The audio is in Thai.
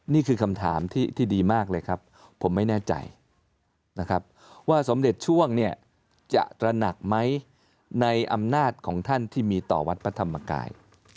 นี่คือคำถามที่ดีมากเลยครับผมไม่แน่ใจนะครับว่าสมเด็จช่วงเนี่ยจะตระหนักไหมในอำนาจของท่านที่มีต่อวัดพระธรรมกาย